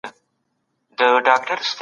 کله چي زه راغلم هغه په کار بوخت و.